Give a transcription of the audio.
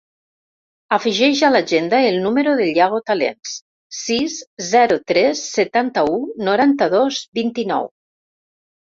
Afegeix a l'agenda el número del Yago Talens: sis, zero, tres, setanta-u, noranta-dos, vint-i-nou.